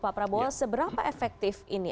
pak prabowo seberapa efektif ini